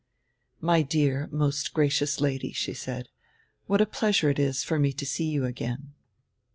"My dear most gracious Lady," she said, "what a pleasure it is for me to see you again."